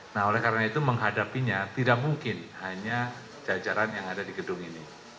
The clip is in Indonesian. nah oleh karena itu menghadapinya tidak mungkin hanya jajaran yang ada di gedung ini